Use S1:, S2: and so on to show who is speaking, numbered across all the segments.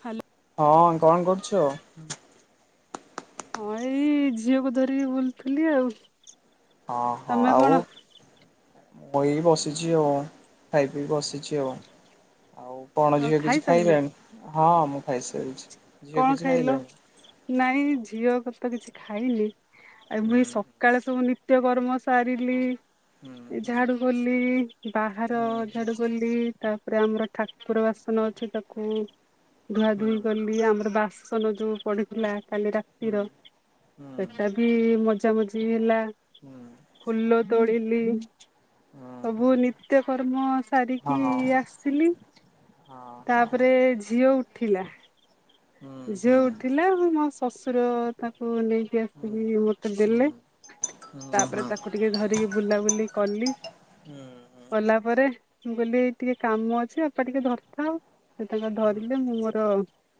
S1: Hello.
S2: ହଁ କଣ କରୁଛ?
S1: ହଁ ଏଇ ଝିଅକୁ ଧରିକି ବୁଲଥିଲି ଆଉ।
S2: ହଁ ହଁ
S1: ତମେ କଣ
S2: ଆଉ। ମୁଇ ବସିଛି ଆଉ ଖାଇପିକି ବସିଛି ଆଉ। ଆଉ କଣ
S1: ଆଉ
S2: ଝିଅ କିଛି
S1: ଖାଇସାରିଲଣି?
S2: ଖାଇଲେଣି ହଁ ମୁଁ ଖାଇସାରିଛି। ଝିଅ
S1: କଣ
S2: କିଛି
S1: ଖାଇଲ
S2: ଖାଇଲାଣି?
S1: ନାଇଁ ଝିଅ କ ତ କିଛି ଖାଇନି ଆ ମୁ
S2: ହୁଁ
S1: ସକାଳେ ସବୁ ନିତ୍ୟ କର୍ମ ସାରିଲି।
S2: ହୁଁ
S1: ଏ
S2: ହୁଁ
S1: ଝାଡୁକଲି ବାହାର
S2: ହୁଁ
S1: ଝାଡୁକଲି ତା ତାପରେ ଆମର ଠାକୁର ବାସନ ଅଛି! ତାକୁ ଧୁଆ
S2: ହୁଁ ହୁଁ
S1: ଧୁଇ କଲି ଆମର ବାସନ ଯୋଉ ପଡିଥିଲା କାଲି
S2: ହୁଁ
S1: ରାତିର!
S2: ହୁଁ
S1: ସେଟା ବି ମଜା ମଜି ଲି ହେଲା
S2: ହୁଁ
S1: ଫୁଲ ତୋଳିଲି।
S2: ହୁଁ ହୁଁ
S1: ସବୁ ନିତ୍ୟ କର୍ମ ସାରିକି
S2: ହଁ ହଁ
S1: ଆସିଲି।
S2: ହଁ
S1: ତାପରେ
S2: ହୁଁ
S1: ଝିଅ ଉଠିଲା।
S2: ହୁଁ
S1: ଝିଉ ଉଠିଲ ମୋ ଶଶୁର ତା ହଁ ନେଇକି
S2: ହୁଁ
S1: ଆସିକି ମୋତେ ଦେଲେ।
S2: ହୁଁ ହୁଁ ହୁଁ
S1: ତାପରେ ତାକୁ ଟିକେ ଧରିକି ବୁଲାବୁଲି କଲି।
S2: ହୁଁ ହୁଁ
S1: କଲା ପରେ। ମୁଁ କହିଲି ଟିକେ କାମ ଅଛି ବାପା ଟିକେ ଧରିଥାଅ ସେ ତାଙ୍କର ଧରିଲେ ମୁଁ ମୋର-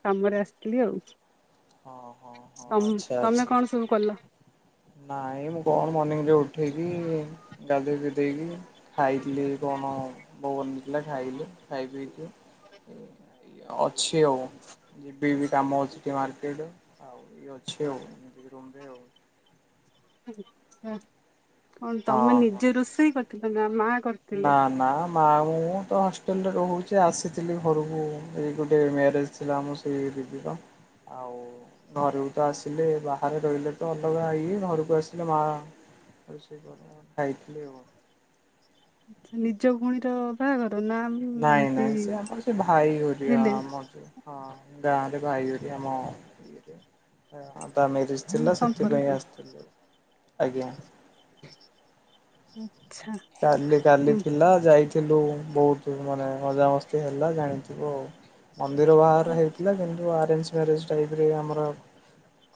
S1: କାମରେ ଆସିଥିଲି ଆଉ।
S2: ହଁ ହଁ ହଁ
S1: ତମ
S2: ଆଚ୍ଛା
S1: ତମେ
S2: ଆଛା।
S1: କଣ ସବୁ କଲ?
S2: ନାଇଁ ମୁଁ କଣ ମର୍ଣିିଂ ରେ ଉଠେଇକି ଗାଧୋଇ ଦେ - ଦେଇକି ଖାଇଥିଲି, କଣ ବୋଉ ବନେଇଥିଲା ଖାଇଲି ଖାଇ ପିଇକି ଅଛି, ଆଉ ଯିବି ଏବେ କାମ ଅଛି ମାର୍- [unintelligible] ଅଛି ଆଉ। [unintelligible]
S1: [unintelligible] କଣ ତମେ
S2: ହଁ ହଁ।
S1: ନିଜେ ରୋଷେଇ କରିଥିଲ ନା ମା
S2: ନା
S1: କରିଥିଲେ?
S2: ନା ନା ମୁଁ ତ ହଷ୍ଟେଲରେ ରହୁଛି ଆସିଥିଲି ଘରକୁ। ଏଇ ଗୋଟେ ମ୍ୟାରେଜ ଥିଲା ଆମ ସେଇ ଦିଦିର। ଆଉ ଘରକୁ ତ ଆସିଲେ ବାହାରେ ରହିଲେ ତ ଅଲଗା ଇଏ ଘରକୁ ଆସିଲେ ମା ଆଉ ସେ କରେ ଖାଇଥିଲି ଆଉ
S1: ନିଜ ଭଉଣୀର ବାହାଘର। ନା
S2: ନାଇଁ
S1: ଏମିତି
S2: ନାଇଁ ସେ ଆମର ସେ ଭାଇ ହରିଆ
S1: ରିଲେ
S2: ଆମର ଯ ହଁ ଗାଁରେ। ଭାଇ ହରିଆ ଆମ ତା ମ୍ୟାରେଜ୍ ଥିଲା ସେଥିପାଇଁ
S1: ସମ୍ପର୍କୀୟ?
S2: ଆସିଥିଲୁ। ଆଜ୍ଞା।
S1: ହୁଁ।
S2: କାଲି କାଲି ଥିଲା ଯାଇଥିଲୁ। ବହୁତ ମାନେ ମଜାମସ୍ତି ହେଲା ଜାଣିଥିବ ଆଉ। ମନ୍ଦିର ବାହାଘର ହେଇଥିଲା। କିନ୍ତୁ ଆରେଞ୍ଜ ମ୍ୟାରେଜ ଟାଇପର ଆମର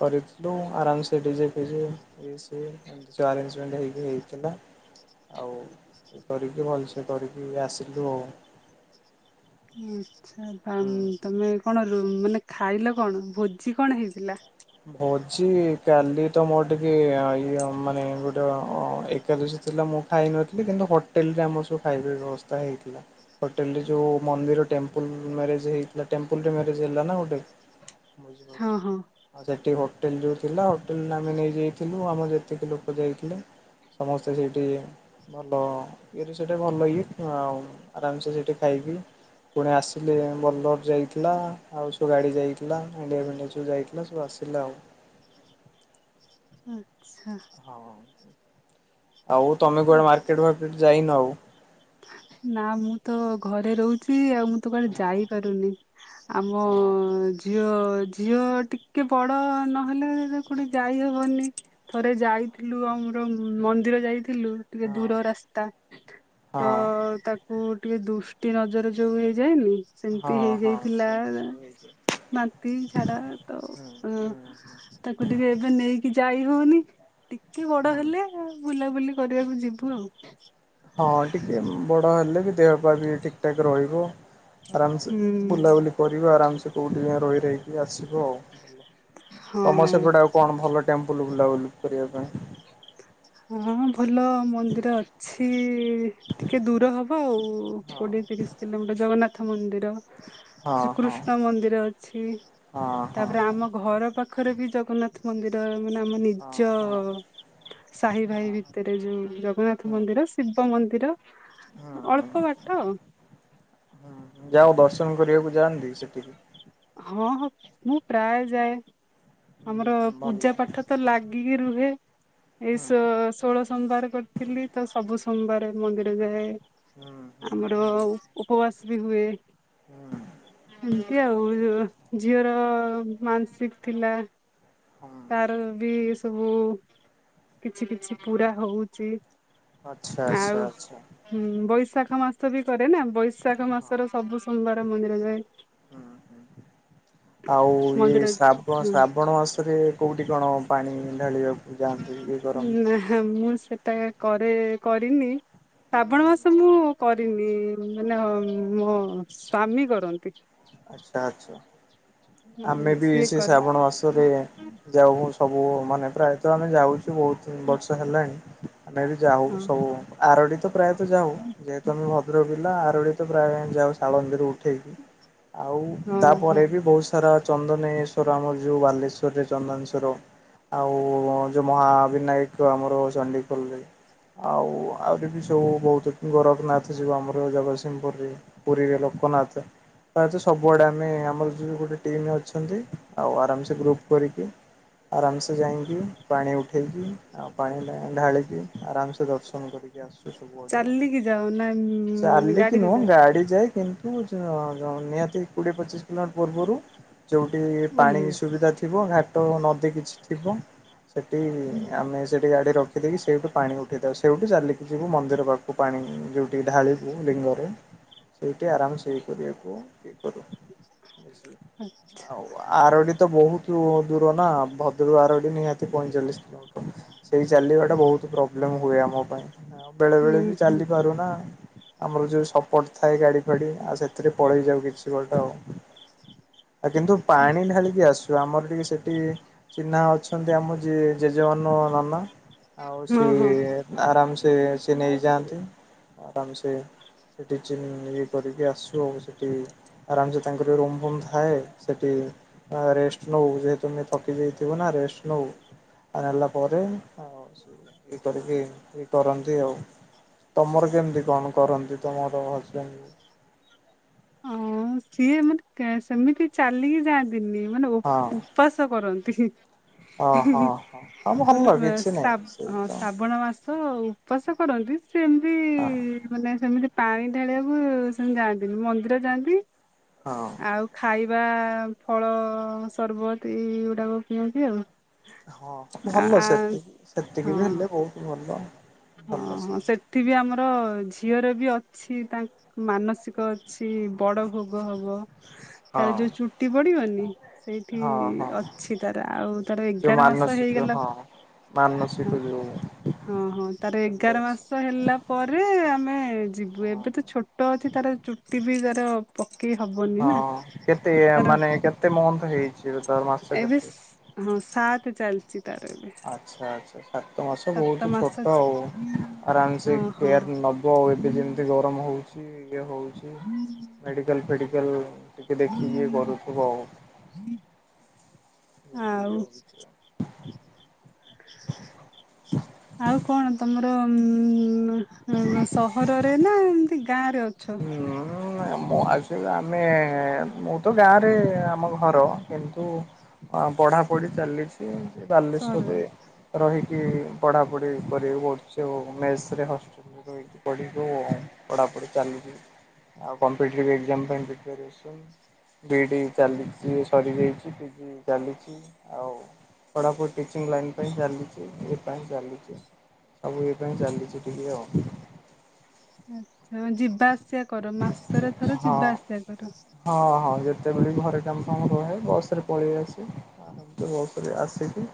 S2: କରିଥିଲୁ, ଆରାମ ସେ ଡିଯେ ଫିଯେ ଇଏ ସିଏ ଏମିତି ସବୁ ଆରଜମେଣ୍ଟ ହେଇକି ହେଇଥିଲା।
S1: [inaudible]
S2: ଆଉ କରିକି ଭଲସେ କରିକି ଆସିଲୁ ଆଉ।
S1: [unintelligible] ତାନ
S2: ହୁଁ।
S1: ତମେ କଣ। ଉ ମାନେ ଖାଇଲ କଣ ଭୋଜି କଣ ହେଇଥିଲା?
S2: ଛି କାଲି ତ ମୋର ଟିକେ ଅ ଇଏ ମ୍ ମାନେ ଗୋଟେ ଅଁ ଏକାଦଶୀ ଥିଲା ମୁଁ ଖାଇ ନଥିଲି, କିନ୍ତୁ ହୋଟେଲ ରେ ଆମର ସବୁ ଖାଇବା ପିଇବା ବ୍ୟବସ୍ଥା ହେଇଥିଲା ହୋଟେଲ ରେ ଯୋଉ ମନ୍ଦିର ଟେମ୍ପଲ ମ୍ୟାରେଜ ହେଇଥିଲା ଟେମ୍ପୁଲ୍ ରେ ମ୍ୟରେଜ୍ ହେଲାନା ଗୋଟେ ଭୋଜି
S1: ହଁ ହଁ।
S2: ଫୋଜି ସେଠୀ ହୋଟେଲ ଯୋଉ ଥିଲା ହୋଟେଲରେ ଆମେ ନେଇ ଯାଇଥିଲୁ ଆମର ଯେତିକି ଲୋକ ଯାଇଥିଲେ। ସମସ୍ତେ ସେଇଠି ଭଲ ଇଏରେ ସେଠି ଭଲ ଇଏ ଆଉ ଆରାମସେ ସେଠି ଖାଇ ଥିଲି। ପୁଣି ଆସିଲେ ବୋଲ୍ଲର ଯାଇଥିଲା ଆଉ ସବୁ ଗାଡି ଯାଇଥିଲା ଇଣ୍ଡିକା ଫିଣ୍ଡିକା ସବୁ ଯାଇ ଥିଲା ସବୁ ଆସିଲେ ଆଉ।
S1: ଆଚ୍ଛା
S2: ହଁ। ଆଉ ତମେ
S1: ଆ
S2: କୁଆଡେ ମାର୍କେଟ ଫାର୍କେଟ ଯାଇନ ଆଉ?
S1: ନା ମୁଁ ତ ଘରେ ରହୁଚି ଆଉ ମୁଁ ତ କୁଆଡେ
S2: ହଁ
S1: ଯାଇ ପାରୁନି। ଆମ
S2: ହଁ
S1: ଛ ଝିଅ ଝିଅ ଟିକେ ବଡ ନହେଲେ କୋଉଠିକୁ ଯାଇହବନି ଥରେ ଯାଇ ଥିଲୁ ଆମର ମନ୍ଦିର ଯାଇଥିଲୁ ଟିକେ
S2: ହଁ
S1: ଦୂର ରାସ୍ତା
S2: ହଁ
S1: ତ ତାକୁ ଟିକେ ଦୃଷ୍ଟି ନଜର ଯୋଉ ହେଇଯାଏନି ସେମିତି
S2: ହଁ ହଁ
S1: ହେଇଯାଇଥିଲା।
S2: ସେମିତି ସବୁ ହେଇଛି
S1: ବାନ୍ତି ଝାଡା ତ
S2: ହୁଁ
S1: ଅଁ
S2: ହୁଁ ହୁଁ
S1: ତାକୁ ଟିକେ ଏବେ ନେଇକି ଯାଇ ହଉନି ଟିକେ ବଡ
S2: ହୁଁ।
S1: ହେଲେ ବୁଲାବୁଲି କରିବାକୁ ଯିବୁ ଆଉ।
S2: ହଁ ଟିକେ ବଡ ହେଲେ ବି ଦେହ ପା ବି ଠିକ ଠାକ ରହିବ। ଆରାମସେ
S1: ହୁଁ
S2: ବୁଲାବୁଲି କରିବ ଆରାମସେ କୋଉଠି ଯାଇଁ ରହି ରହିକି ଆସିବ ଆଉ। ତମର
S1: ହଁ
S2: ସେପଟେ ଆଉ କଣ ଭଲ ଟେମ୍ପଲ ବୁଲାବୁଲି କରିବା ପାଇଁ?
S1: ହଁ ଭଲ ମନ୍ଦିର ଅଛି ଟିକେ ଦୂର ହବ ଆଉ
S2: ହଁ
S1: କୋଡିଏ ତିରିଶ କିଲୋମିଟର ଜଗନ୍ନାଥ ମନ୍ଦିର।
S2: ହଁ ହଁ
S1: ଶ୍ରୀକୃଷ୍ଣ ମନ୍ଦିର ଅଛି
S2: ହଁ ହଁ
S1: ତାପରେ ଆମ ଘର ପାଖ ପାଖରେ ବି ଜଗନ୍ନାଥ ମନ୍ଦିର ମାନେ ଆମ
S2: ହଁ
S1: ନିଜ
S2: ହଁ।
S1: ସାହି ଭାଇ
S2: ହଁ।
S1: ଭିତରେ ଯୋଉ ଜଗନ୍ନାଥ
S2: ହୁଁ
S1: ମନ୍ଦିର ଶିବ ମନ୍ଦିର
S2: ହୁଁ ହୁଁ
S1: ଅଳ୍ପ ବାଟ
S2: ହୁଁ ଯାଅ ଦର୍ଶନ କରିବାକୁ ଯାଆନ୍ତି ସେଠିକି?
S1: ହଁ ହଁ ମୁଁ ପ୍ରାୟ ଯାଏ। ଆମର
S2: ହୁଁ ଭଲ
S1: ପୂଜା ପାଠ ତ ଲାଗିକି ରୁହେ। ଏଇ
S2: ହୁଁ
S1: ସୋ ଷୋଳ ସୋମବାର କରିଥିଲି ତ ସବୁ ସୋମବାର ମନ୍ଦିର ଯାଏ।
S2: ହୁଁ ହୁଁ
S1: ଆମର
S2: ହୁଁ
S1: ଉପବାସ ବି ହୁଏ
S2: ହୁଁ
S1: ଏମତି ଆଉ। ଅଁ ଝିଅର ମାନସିକ ଥିଲା
S2: ହୁଁ
S1: ତାର ବି ସବୁ କିଛି କିଛି ପୁରା ହଉଚି।
S2: ଆଚ୍ଛା ଆଚ୍ଛା
S1: ଆଉ
S2: ଆଚ୍ଛା
S1: ହୁଁ ବ ବୈଶାଖ ମାସ ବି କରେ ନା ବୈଶାଖ
S2: ହଉ
S1: ମାସର ସବୁ ସୋମବାର ମନ୍ଦିର ଯାଏ।
S2: ହୁଁ ହୁଁ ଆଉ ଇଏ
S1: ମନ୍ଦିର
S2: ଶ୍ରାବ
S1: ହଁ
S2: ଶ୍ରାବଣ ମାସରେ କୋଉଠି ଠି କଣ ପାଣି ଢାଳିବାକୁ? ଯାଆନ୍ତି ଇଏ କରନ୍ତି
S1: ନା ମୁଁ ସେଟା କରେ କରିନି। ଶ୍ରାବଣ ମାସ ମୁଁ କରିନି ମାନେ ମୋ ସ୍ଵାମୀ କରନ୍ତି।
S2: ଆଚ୍ଛା ଆଚ୍ଛା ଆମେ
S1: ହୁଁ
S2: ବି
S1: ସିଏ
S2: ସେ
S1: କରେ
S2: ଶ୍ରାବଣ ମାସରେ ଯାଉ ସବୁ ମାନେ ପ୍ରାୟତଃ ଆମେ ଯାଉଚୁ। ବହୁତ ବର୍ଷ ହେଲାଣି ଆମେ ବି ଯାଉ
S1: ହଁ
S2: ସବୁ। ଆରଡ଼ି ତ ପ୍ରାୟତଃ ଯାଉ ଯେହେତୁ ଆମେ ଭଦ୍ରକ ପିଲା ଆରଡ଼ି ତ ପ୍ରାୟ ଯାଉ ଶାଳନ୍ଦିରୁ ଉଠେଇକି ଆଉ
S1: ହଁ ହଁ
S2: ତାପରେ ବି ବହୁତ ସାରା ଚନ୍ଦନେ ଶ୍ୱର ଆମର ଯୋଉ ବାଲେଶ୍ୱରରେ ଚନ୍ଦନେଶ୍ୱର ଆଉ ଯୋଉ ମହାବିନାୟକ ଆମର ଚଣ୍ଡିଖୋଲ ରେ ଆଉ ଆହୁରି ବି ସବୁ ବହୁତ ଗୋରଖନାଥ ଯିବ ଆମର ଜଗତସିଂହପୁରରେ ପୁରୀରେ ଲୋକ କନଅଛେ ତା ଅଛେ ସବୁଆଡେ ଆମେ ଆମର ଯଉ ଗୋଟେ ଟିମ୍ ଅଛନ୍ତି ଆଉ ଆରାମସେ ଗ୍ରୁପ କରିକି ଆରାମସେ ଯାଇଁକି ପାଣି ଉଠେଇକି ଆଉ ପାଣି ଢା ଢାଳିକି ଆରାମସେ ଦର୍ଶନ କରିକି ଆସୁ। [unintelligible]
S1: ଚାଲିକି ଯାଅ ନା ମାନେ
S2: ଚାଲିକିି
S1: ଗାଡିରେ
S2: ନୁହଁ
S1: ଯାଅ?
S2: ଗାଡି ଯାଏ କିନ୍ତୁ [unintelligible] ନିହାତି କୋଡିଏ ପଚିଶ କିଲୋମିଟର୍ ପୂର୍ବରୁ ଯୋଉଠି ପାଣି
S1: ଓହ୍ଲେଇବା
S2: ସୁବିଧା ଥିବ ଘାଟ ନଦୀ କିଛି ଥିବ ସେଠି
S1: ହୁଁ
S2: ଆମେ ସେଠି ଗାଡି ର ରଖିଦେଇକି ସେଇଠୁ ପାଣି ଉଠେଇଥାଉ ସେଇଠୁ ଚାଲିକି ଯିବୁ ମନ୍ଦିର ପାଖକୁ ପାଣି ଯେଉଁଠି ଢାଳିବୁ ଲିଙ୍ଗରେ ସେଇଠି ଆରାମ ହେଇ ପାରିବ। [unintelligible] ଆଉ ଆରଡି ତ ବହୁତ ଦୂର ନା ଭଦ୍ରକ ଆରଡି ନିହାତି ପଇଁଚାଳିଶ କିଲୋମିଟର। ସେଇ ଚାଲିବାଟା ବହୁତ ପ୍ରୋବ୍ଲେମ ହୁଏ ଆମ ପାଇଁ ଆ ବେଳେ ବେଳେ ବି
S1: ହୁଁ
S2: ଚାଲି ପାରୁନା। ଆମର ଯୋଉ ସପୋର୍ଟ ଥାଏ ଗାଡି ଫାଡି ଆଉ ସେଥିରେ ପଳେଇ ଯାଉ କିଛି ବାଟ ଆଉ। ଆ କିନ୍ତୁ ପାଣି ଢାଳିକି ଆସୁ। ଆମର ଟିକେ ସେଠି ଚିହ୍ନା ଅଛନ୍ତି ଆମ ଯିଏ ଜେଜେମାନ ନନା। ଆଉ
S1: ହଁ ହଁ
S2: ସିଏ
S1: ହଁ
S2: ଆରାମସ ସେ ସିଏ ନେଇଯାଆନ୍ତି ଆରାମସେ ସେଠି ଚିନ ଇଏ କରିକି ଆସୁ ଆଉ ସେ ଠି ଆରାମ ସେ ତାଙ୍କର ରୁମ ଫୁମ୍ ଥାଏ ସେଠି ଆ ରେଷ୍ଟ ନଉ ଯେହେତୁ ଆମେ ଥକି କି ଯାଇଥିବୁ ନା ରେଷ୍ଟ୍ ନଉ ଆଉ ନେଲା ପରେ ଆଉ ଇ କରିକି ଇ କରନ୍ତି ଆଉ। ତମର କେମିତି କଣ କରନ୍ତି ତମର ହଜବେଣ୍ଡ?
S1: ଅଁ ସିଏ ଏମିତି କେ ସେମିତି ଚାଲିକି ଯାଆନ୍ତି ଦିନି ମାନେ ଉ
S2: ହଁ
S1: ଉପବାସ କରନ୍ତି। ହିଁ
S2: ହଁ ହଁ
S1: ହିଁ
S2: ହଁ ହଁ
S1: ମାନେ
S2: ଭଲ କିଛି ନାହିଁ ସେଇ ତ
S1: ଶ୍ରାବଣ ମାସ ଆଉ ଉପାସ କରନ୍ତି ସେମିତି
S2: ହଁ
S1: ମାନେ ସେମିତି ପାଣି ଢାଳିବାକୁ ସେମିତି ଯାଆନ୍ତିନି ମ ମନ୍ଦିର ଜାଆନ୍ତି।
S2: ହଁ
S1: ଆଉ ଖାଇବା ଫଳ ସରବତ ଏଇଗୁଡାକ ପିଅନ୍ତି ଆଉ।
S2: ହଁ
S1: ଆ
S2: ଭଲ
S1: ଆ
S2: ସେତିକି
S1: ହଁ
S2: ସେତିକି ବି ହେଲେ ବୋହୁତ ଭଲ।
S1: ହଁ
S2: ଭଲ
S1: ହଁ
S2: ସେମିତି
S1: ସେଠି ବି ଆମର ଝିଅର ବି ଅଛି। ତାଙ୍କ ମାନସିକ ଅଛି ବଡ ଭୋଗ ହବ। ତାର
S2: ହଁ
S1: ଯୋଉ ଚୁଟି ପଡିବନି ସେଇଠି
S2: ହଁ ହଁ
S1: ଅଛି ତାର ଆଉ ତାର
S2: ଯୋଉ
S1: ଏଗାର ମାସ
S2: ମାନସିକ
S1: ହେଇଗଲା
S2: ହଁ
S1: ହଁ
S2: ମାନସୀକୁ ଯିବ ମୁ।
S1: ହଁ ହଁ ତାର ଏଗାର ମାସ ହେଲା ପରେ ଆମେ ଯିବୁ
S2: ହଁ
S1: ଏବେ ତ ଛୋଟ ଅଛି ତାର ଚୁଟି ବି ତାର ପକେଇ ହବନି
S2: ହଁ
S1: ନା
S2: କେତେ
S1: ତାର
S2: ମାନେ କେତେ ମନ୍ଥ ହେଇଛି ତାର ମାସ
S1: ଏବେ
S2: କେତେ।
S1: ହଁ ସାତ ଚାଲି
S2: ଆଚ୍ଛା ଆଚ୍ଛା ସ ସାତ ମାସ
S1: ସାତ
S2: ବହୁତ
S1: ମାସ
S2: ଛୋଟ ଆଉ ଆରାମସେ
S1: ହଁ ହଁ
S2: କେୟାର ନେବ ଆଉ ଏବେ ଯେମିତି ଗରମ ହେଉ ଇଏ ହଉଛି ମେଡିକାଲ ଫେଡିକାଲ୍ ଟିକେ ଦେଖିକି କରୁଥିବ ଆଉ। ଯେମିତି
S1: ଆଉ।
S2: ଇଏ ହଉଛି ଆଉ।
S1: [inaudible] ଆଉ କଣ ତମର ଉ ସହରରେ ନା ଏମିତି ଗାଁ ରେ ଅଛ।
S2: ହୁଁ ମୁଁ ଆ ଆମେ ମୁଁ ତ ଗାଁରେ ଆମ ଘର କିନ୍ତୁ ପଢାପଢି ଚାଲିଛି ବାଲେଶ୍ଵରରେ
S1: ସହରରେ
S2: ରହି କି ପଢ଼ାପଢ଼ି କରିବାକୁ ପଡ଼ୁଛି ଆଉ ମେସରେ ହଷ୍ଟେଲରେ ରହିକି ପଢ଼ିବୁ ପଢ଼ାପଢ଼ି ଚାଲଛି ଆଉ କମ୍ପିଟେଟିଭ୍ ଏକ୍ଜାମ ପାଇଁ ପ୍ରିପୋରେସନ। ବି ଇ ଡି ଚାଲିଚି ସରିଯାଇଛି ପିଜି ଚାଲିଚି ଆଉ ପଢାପଢି ଟିଚିଂ ଲାଇନ ପାଇଁ ଚାଲିଚି ଏ ପାଇଁ ଚାଲିଚି। ସବୁ ଏଇ ପାଇଁ ଚାଲିଚି ଟିକେ ଆଉ।
S1: ଆଛା ଯିବା ଆସିବା କର ମାସରେ ଥର
S2: ହଁ
S1: ଯିବା ଆସିବା କର।
S2: ହଁ ହଁ ଯେତେବେଳେ ଘରେ କାମ କାମ ରୁହେ ବସ୍ ରେ ପଳେଇ ଆସି ଆର ବସ୍ ଆସିକି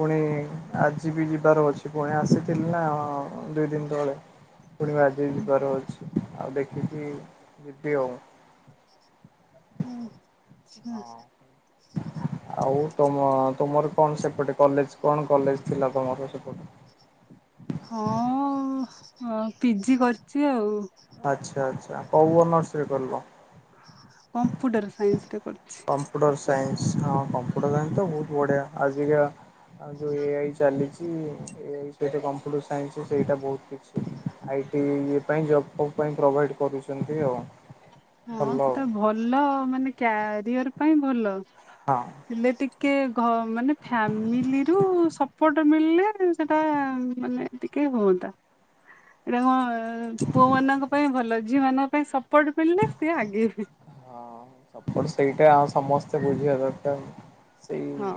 S2: ପୁଣି ଆଜି ବି ଯିବାର ଅଛି ପୁଣି ଆସିଥିଲି ନା ଦୁଇ ଦିନ ତଳେ। ପୁଣି ଆଜିି ବି ଯିବାର ଅଛି ଆଉ ଦେଖିକି ଯିିବି ଆଉ।
S1: ହୁଁ।
S2: ହଁ।
S1: [inaudible]
S2: ଆଉ ତମ ତମର କଣ ସେପଟେ କଲେଜ କଣ କଲେଜ ଥିଲା ତମର ସେପଟେ।
S1: [inaudible] ହଁ ପିଜି କରିଛି ଆଉ।
S2: ଆଚ୍ଛା ଆଚ୍ଛା କଉ ଅର୍ସରେ କରିଲ।
S1: କମ୍ପ୍ୟୁଟର ସାଇନ୍ସରେ।
S2: କମ୍ପ୍ୟୁଟର ସାଇନ୍ସ ହଁ କମ୍ପ୍ୟୁଟର ସାଇନ୍ସ ତ ବହୁତ ବଢିଆ ଆଜିକା ଆଉ ଯୋଉ ଏ ଆଇ ଚାଲିଛି ଏ ଆଇ ସତ କମ୍ପ୍ୟୁଟର ସାଇନ୍ସ ସେଇଟା ବହୁତ କିଛି ଆଇଟି ଇ ପାଇଁ ଜବ ପାଇଁ ପ୍ରୋଭାଇଡ କରୁଛନ୍ତି ଆଉ।
S1: ହଁ
S2: ଭଲ ଆଉ
S1: ସେଟା ଭଲ ମାନେ କ୍ୟାରିଅର ପାଇଁ ଭଲ
S2: ହଁ।
S1: ହେଲେ ଟିକେ ଟିକେ ମାନେ ଫ୍ୟାମିଲିରୁ ସପୋର୍ଟ ମିଳିଲେ ସେଟା ମାନେ ଟିକେ ହୁତା ଏଇଟା ମ ପୁଅ ମାନଙ୍କ ପାଇଁ ଭଲ ଝିଅ ମାନଙ୍କ ପାଇଁ ସପୋର୍ଟ ପ ସିଏ ଆଗେଇବେ।
S2: ହଁ ସପୋର୍ଟ ସେଇଟା ଆଉ ସମସ୍ତେ ବୁଝିବା ଦରକାର। ସେଇ
S1: ହଁ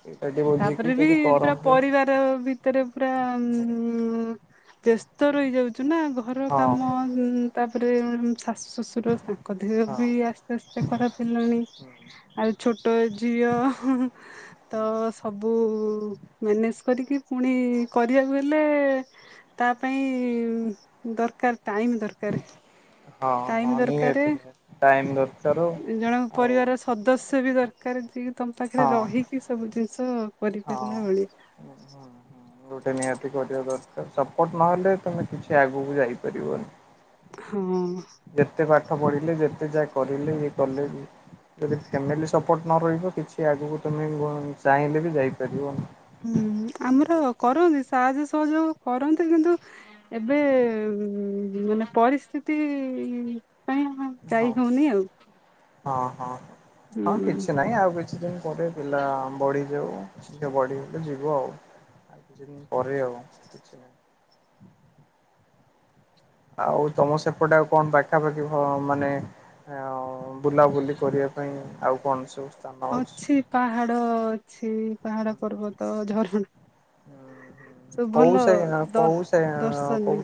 S2: ସେଇଟା ଟିକେ ବୁଝିକି
S1: ତାପରେ ବି
S2: ଯଦି
S1: ପୁରା
S2: କରନ୍ତେ
S1: ପରିବାର ଭିତରେ ପୁରା ଉ ବ୍ୟସ୍ତ ରହିଯାଉଛୁ ନା ଘର
S2: ହଁ
S1: କାମ ତାପରେ ଶାଶୁ ଶ୍ୱଶୁର ତାଙ୍କ ଦେହ
S2: ହଁ।
S1: ବି ଆସ୍ତେ ଆସ୍ତେ ଖରାପ ହେଲାଣି ଆଉ ଛୋଟ ଝିଅ। ହ ତ ସବୁ ମ୍ୟାନେଜ କରିକି ପୁଣି କରିବାକୁ ହେଲେ ତା ପାଇଁ ଦରକାର ଟାଇମ ଦରକାର।
S2: ହଁ ହଁ
S1: ଟାଇମ ଦରକାର
S2: ନିହାତି ଟାଇମ୍ ଦରକାର
S1: ଜଣଙ୍କ
S2: ଆଉ
S1: ପରିବାର ସଦସ୍ୟ ବି ଦର। କାର ଯିଏ ତମ ପାଖରେ ରହିକି ସବୁ ଜିନିଷ।
S2: ହଁ
S1: କରିପାରିଲା ଭଳିଆ।
S2: ହଁ ଲୁଟେ ନିହାତି କଉଠ। ସପୋର୍ଟ ନହେଲେ ତମେ କିଛି ଆଗକୁ ଯାଇପାରିବନି।
S1: ହଁ।
S2: ଯେତେ ପାଠ ପଢିଲେ ଯେତେ ଯା କରିଲେ ଇଏ କଲେ ବି। ଯଦି ଫ୍ୟାମିଲି ସପୋର୍ଟ ନ ରହିବ କିଛି ଆଗକୁ ତୁମେ ଚାହିଁଲେ ବି ଯାଇପାରିବନ।
S1: ହୁଁ ଆମର କରନ୍ତି। ସାହାଯ୍ୟ ସହଯୋଗ କରନ୍ତି କିନ୍ତୁ ଏବେ ମାନେ ପରିସ୍ଥିତି। କ
S2: ହଁ
S1: ଯାଇ ହଉନି ଆଉ।
S2: ହଁ ହଁ ହଁ
S1: ହୁଁ
S2: କିଛି ନାହିଁ ଆଉ କିଛି ଦିନ ପରେ ପିଲା ବଢ଼ିଯାଉ। ନି ବଡି ହେ ଯିବୁ ଆଉ। ଆଉ କିଛି ଦିନ ପରେ ଆଉ। ଆଉ ତମ ସେପଟେ ଆଉ କଣ ପାଖାପାଖି ମାନେ। ବୁଲାବୁଲି କରିବା ପାଇଁ ଆଉ କଣ ସବୁ।
S1: ଅଛି ପାହାଡ ଅଛି ପାହାଡ ପର୍ବତ ଝରଣା। ସବୁ
S2: କୋଉ
S1: ଭଲ
S2: ସେ
S1: ଦ
S2: କୋଉ ସେ କୋଉ
S1: ଦର୍ଶନୀୟ।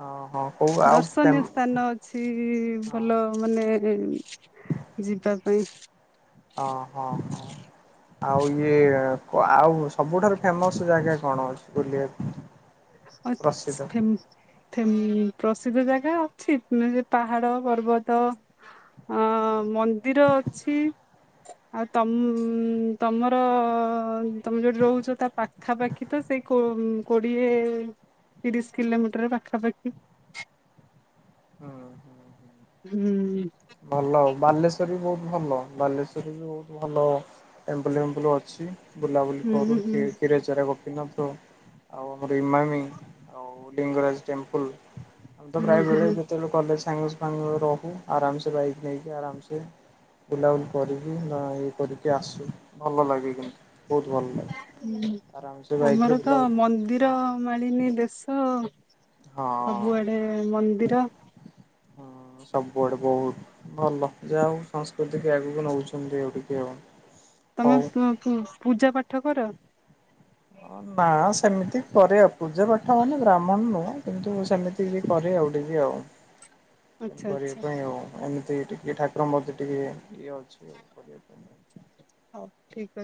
S2: ହଁ ହଁ କୋଉ ଆଉ ଫେମ୍
S1: ଦର୍ଶନୀୟ ସ୍ଥାନ ଅଛି
S2: ହଁ
S1: ଭଲ ମାନେ। ଯିବା ପାଇଁ।
S2: ଓ ହୋ ହଁ। ଆଉ ଇଏ ଆଉ ସବୁଠାରୁ ଫେମସ ଜାଗା କଣ ଅଛି ବୁଲିବା।
S1: ଅ ଫମ। ପ୍ରସିଦ୍ଧ ଜାଗା ଅଛି ପାହାଡ ପର୍ବତ। ହ ମନ୍ଦିର ଅଛି। ଆଉ ତମ ତମର ତମେ ଯୋଠି ରହୁଛ ତା ପାଖାପାଖି ତ। ସେ କୋ କୋଡିଏ ତିରିଶ କିଲୋମିଟର ପାଖାପାଖି।
S2: ହୁଁ ହୁଁ।
S1: ହୁଁ।
S2: ଭଲ ଆଉ ବାଲେସ୍ୱର ବି ବହୁତ ଭଲ ବାଲେଶ୍ଵର ବି ବହୁତ ଭଲ ଟେମ୍ପଲ ଫେମ୍ପଲ ଅଛି। ବୁଲାବୁଲି
S1: ହୁଁ
S2: କରୁ
S1: ହୁଁ
S2: କ୍ଷୀର ଚରା ଗୋପିନା। ସନାପ ଆଉ ଆମର ଇମାମି ଆଉ ଲିଙ୍ଗରାଜ। ଲ ଆମେ ତ
S1: ହୁଁ
S2: ପ୍ରାୟବେେଳେ
S1: ହୁଁ
S2: ଯେତେବେଳେ କଲେଜ ସାଙ୍ଗ ସାଙ୍ଗ ରହୁ ଆରାମସ। ବାାଇକ ନେଇକ ଆରାମ ସେ। ବୁଲାବୁଲି କରିକି ନ ଇଏ କରିକି ଆସୁ ଭଲ ଲାଗେ କିନ୍ତୁ। ବହୁତ ଭଲ ଲାଗେ ଆରାମସେ ବାଇକରେ
S1: ଆମର ତ
S2: ବୁଲାବୁଲି
S1: ମନ୍ଦିର
S2: ହଁ
S1: ମାଳିନୀ ଦେଶ।
S2: ହଁ
S1: ସବୁଆଡେ ମନ୍ଦିର।
S2: ହଁ ସବୁଆଡେ ବହୁତ ଭଲ ଯାହା ହଉ ସଂସ୍କୃତିକ ଆଗକୁ ନଉଛନ୍ତି ଆଉ ଟିକେ ଆଉ।
S1: ତମେ
S2: ହଉ
S1: ପୂଜା ପାଠ କର।
S2: ନା ସେମିତି କରିବା ପୂଜା ପାଠ ମାନେ ବ୍ରାହ୍ମଣ ନୁହଁ କିନ୍ତୁ ସେମିତି ବି କରିବା। ଆଉ
S1: ଆଚ୍ଛା
S2: କରିବା
S1: ଆଚ୍ଛା
S2: ପାଇଁ ଆଉ ଏମିତି। ଟିକେ ଠାକୁରଙ୍କ ମେ ଟିକେ ଇଏ ଅଛି ଆ କରିବାକୁ ପାଇଁ।
S1: ଠିକ୍ ଅଛି।